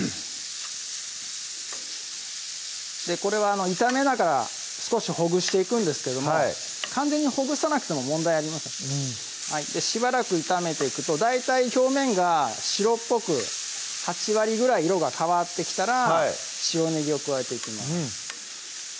これは炒めながら少しほぐしていくんですけども完全にほぐさなくても問題ありませんしばらく炒めていくと大体表面が白っぽく８割ぐらい色が変わってきたら白ねぎを加えていきます